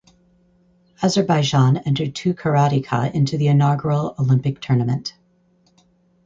Azerbaijan entered two karateka into the inaugural Olympic tournament.